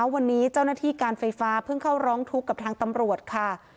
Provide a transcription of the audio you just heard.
วันนี้เจ้าหน้าที่การไฟฟ้าเพิ่งเข้าร้องทุกข์กับทางตำรวจค่ะ